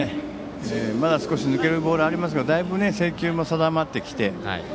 まだ少し抜けるボールはありますがだいぶ制球も定まってきて。